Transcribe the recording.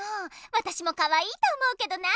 わたしもかわいいと思うけどなあ。